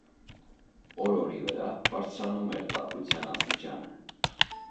օր֊օրի վրա բարձրանում էր տաքության աստիճանը.